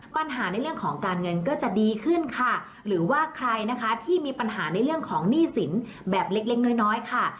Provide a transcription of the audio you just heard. ปัญหาในเรื่องของการเงินก็จะดีขึ้นค่ะหรือว่าใครนะคะที่มีปัญหาในเรื่องของหนี้สินแบบเล็กเล็กน้อยน้อยค่ะ